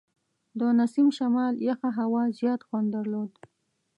د نسیم شمال یخه هوا زیات خوند درلود.